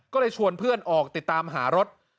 ก็เลยชวนเพื่อนออกติดตามหารถ